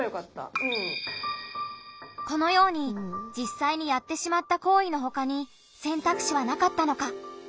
このようにじっさいにやってしまった行為のほかに選択肢はなかったのか。